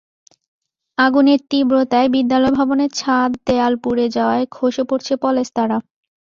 আগুনের তীব্রতায় বিদ্যালয় ভবনের ছাদ, দেয়াল পুড়ে যাওয়ায় খসে পড়ছে পলেস্তারা।